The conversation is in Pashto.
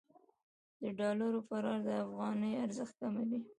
د ډالر فرار د افغانۍ ارزښت کموي.